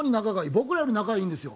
僕らより仲いいんですよ。